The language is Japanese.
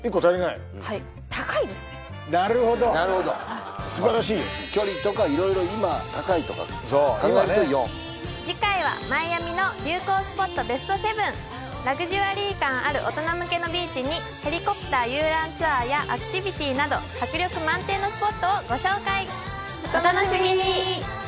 なるほどすばらしい距離とか色々今高いとか考えると４次回はマイアミの流行スポットＢＥＳＴ７ラグジュアリー感ある大人向けのビーチにヘリコプター遊覧ツアーやアクティビティなど迫力満点のスポットをご紹介お楽しみに！